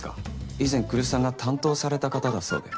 以前来栖さんが担当された方だそうで。